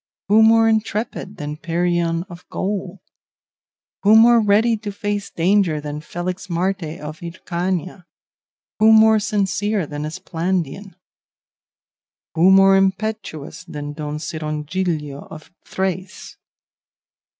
Who more intrepid than Perion of Gaul? Who more ready to face danger than Felixmarte of Hircania? Who more sincere than Esplandian? Who more impetuous than Don Cirongilio of Thrace?